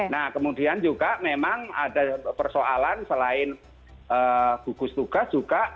nah kemudian juga memang ada persoalan selain gugus tugas juga